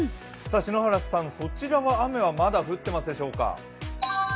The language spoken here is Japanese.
篠原さん、そちらは雨はまだ降っていますでしょうか。